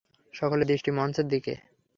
সকলের দৃষ্টি মঞ্চের দিকে।